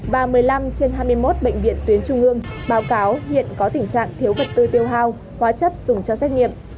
và một mươi năm trên hai mươi một bệnh viện tuyến trung ương báo cáo hiện có tình trạng thiếu vật tư tiêu hao hóa chất dùng cho xét nghiệm